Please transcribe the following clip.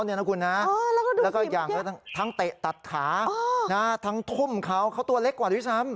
แล้วก็อีกอย่างทั้งเตะตัดขาทั้งทุ่มเขาเขาตัวเล็กกว่าด้วยซ้ำ